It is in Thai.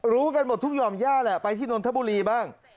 รู้กันหมดทุกยอมญาติไปที่นทบุรีบ้าง